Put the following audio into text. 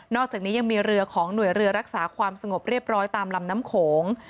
อกจากนี้ยังมีเรือของหน่วยเรือรักษาความสงบเรียบร้อยตามลำน้ำโขง